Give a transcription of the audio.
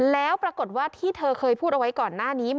แล้วปรากฏว่าที่เธอเคยพูดเอาไว้ก่อนหน้านี้